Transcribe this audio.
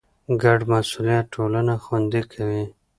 ګډ مسئولیت ټولنه خوندي کوي.